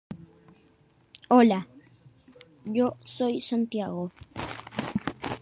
Tanto su padre Brazo de Plata son luchadores profesionales.